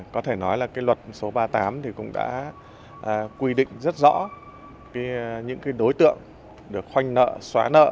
có thể nói là luật số ba mươi tám thì cũng đã quy định rất rõ những đối tượng được khoanh nợ xóa nợ